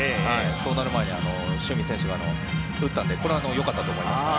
そうなる前に、塩見選手が打ったのでこれは良かったと思いますね。